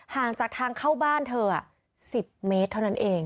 ห่างจากทางเข้าบ้านเธอ๑๐เมตรเท่านั้นเอง